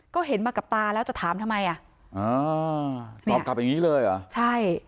ก็เห็นมากับตาแล้วจะถามทำไมอ่ะอ่าตอบกลับอย่างงี้เลยเหรอใช่